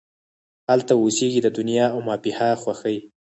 هلته اوسیږې د دنیا او مافیها خوښۍ